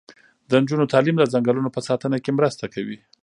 د نجونو تعلیم د ځنګلونو په ساتنه کې مرسته کوي.